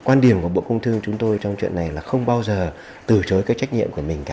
quan điểm của bộ công thương chúng tôi trong chuyện này là không bao giờ từ chối cái trách nhiệm của mình cả